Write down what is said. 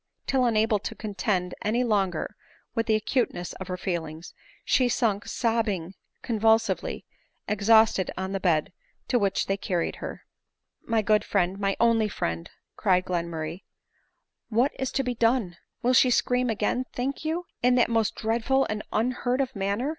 till unable to contend any longer with the acuteness of her feelings, she sunk sobbing convulsively, exhausted on the bed to which they carried her. >" My good friend, my only friend," cried Glenmurray, " what is to be done ? Will she scream again think you, in that most dreadful and unheard of manner